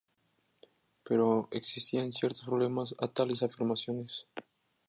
Pero existían ciertos problemas a tales afirmaciones.